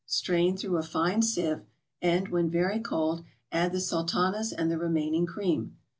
Strain through a fine sieve, and, when very cold, add the Sultanas and the remaining cream.